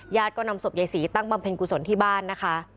ก็นำศพยายศรีตั้งบำเพ็ญกุศลที่บ้านนะคะ